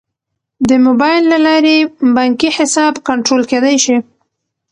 د موبایل له لارې بانکي حساب کنټرول کیدی شي.